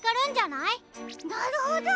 なるほど！